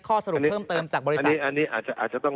ข้อสรุปเพิ่มเติมอันนี้อาจจะต้อง